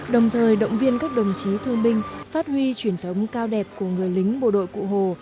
đồng thời động viên các đồng chí thương binh phát huy truyền thống cao đẹp của người lính bộ đội cụ hồ